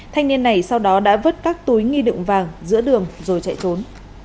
thanh niên này sau đó đã vứt các túi nghi đựng vàng giữa đường rồi chạy trốn